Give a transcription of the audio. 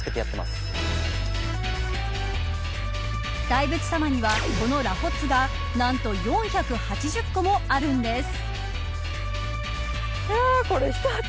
大仏様にはこの螺髪がなんと４８０個もあるんです。